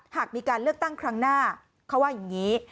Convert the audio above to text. หากมีการเลือกตั้งครั้งหน้าเขาว่าอย่างนี้